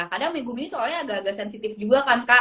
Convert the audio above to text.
kadang megumi soalnya agak agak sensitif juga kan kak